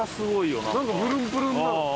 なんかプルンプルンな。